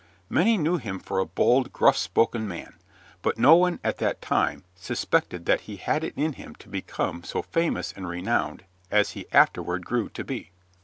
Many knew him for a bold, gruff spoken man, but no one at that time suspected that he had it in him to become so famous and renowned as he afterward grew to be.